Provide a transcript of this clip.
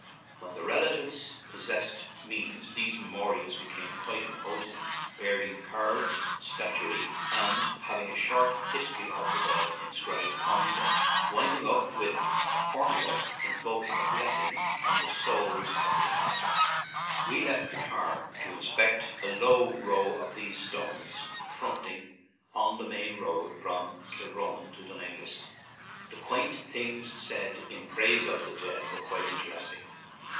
When the relatives possessed means these memorials became quite im posing, bearing carved statuary and hav ing a short history of the dead inscribed on them, winding up with a formula in voking a blessing on the souls of the de parted. We left the car to inspect a long row of these stones fronting on the main road from Kilronan to Dun Aengus. The quaint things said in praise of the dead were quite interesting.